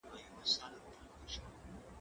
که وخت وي، لوښي وچوم!؟